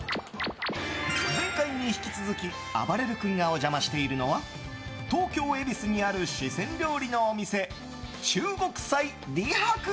前回に引き続きあばれる君がお邪魔しているのは東京・恵比寿にある中華料理のお店李白。